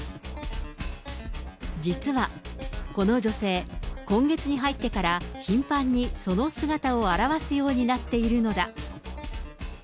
実は、この女性、今月に入ってから、頻繁にその姿を現すようになっているのだ。